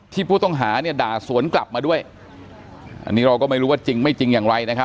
ที่ผู้ต้องหาด่าสวนกลับมาด้วยอันนี้เราก็ไม่รู้ว่าจริงไม่จริงอย่างไร